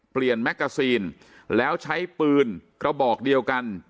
แมกกาซีนแล้วใช้ปืนกระบอกเดียวกัน